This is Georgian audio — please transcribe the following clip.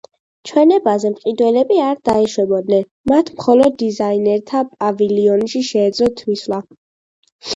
ჩვენებაზე მყიდველები არ დაიშვებოდნენ, მათ მხოლოდ დიზაინერთა პავილიონში შეეძლოთ მისვლა.